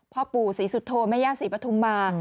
พ่อปู่ศรีสุโธแม่ย่าศรีปฐุมมา